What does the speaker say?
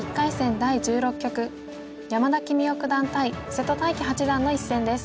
第１６局山田規三生九段対瀬戸大樹八段の一戦です。